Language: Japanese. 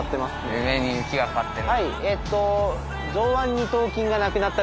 上に雪がかかってる。